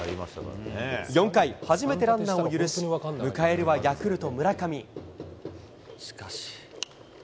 ４回、初めてランナーを許し、迎えるはヤクルト、村上。